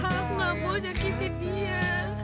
harus gak mau nyakitin dia